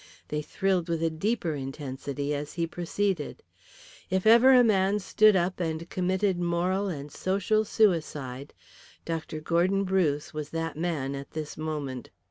They thrilled with a deeper intensity as he proceeded. If ever a man stood up and committed moral and social suicide Dr. Gordon Bruce was that man at this moment.